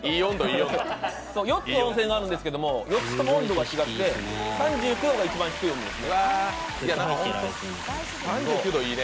４つ温泉があるんですけど、４つとも温度が違くて、３９度が一番低いです。